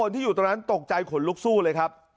ที่อยู่ตรงนั้นตกใจขนลุกสู้เลยครับ